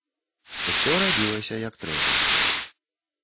Усё рабілася, як трэба.